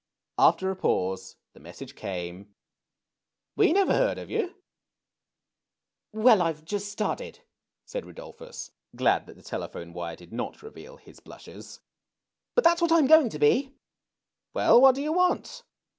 After a pause the message came : ^^We never heard of you." ^^Well, I've just started," said Rudolphus, glad that 240 THE CHILDREN'S WONDER BOOK. the telephone wire did not reveal his blushes ;" but that's what I'm going to be." "Well, what do you want?"